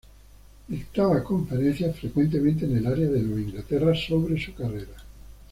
Dictaba conferencias frecuentemente en el área de Nueva Inglaterra sobre su carrera.